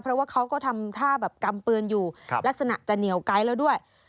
เพราะว่าเขาก็ทำท่าแบบกำปืนอยู่ลักษณะจะเหนียวไกด์แล้วด้วย